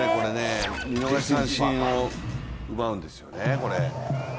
見逃し三振を奪うんですよね。